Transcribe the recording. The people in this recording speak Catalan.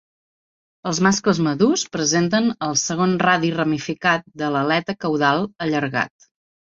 Els mascles madurs presenten el segon radi ramificat de l'aleta caudal allargat.